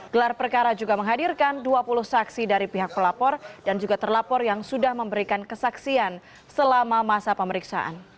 gelar perkara juga menghadirkan dua puluh saksi dari pihak pelapor dan juga terlapor yang sudah memberikan kesaksian selama masa pemeriksaan